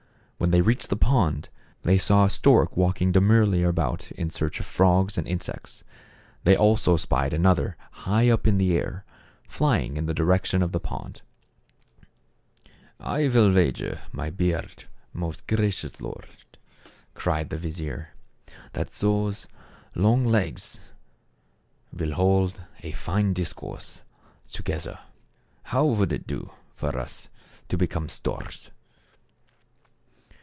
When they reached the pond, they saw a stork walking demurely about in search of frogs and insects. They also spied another high up in the air, flying in the direc tion of the pond. " I will wager my beard, most gracious lord," cried the vizier, " that those two long legs will 92 THE CAB AVAN. hold a line discourse together. How would it do for us to become storks